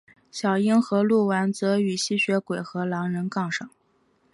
小樱和鹿丸则与吸血鬼和狼人杠上。